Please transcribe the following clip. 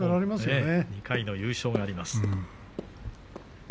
２回の優勝があります。